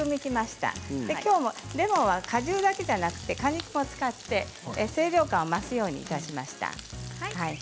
きょうはレモンは果汁だけでなく果肉も使って清涼感を増すようにしました。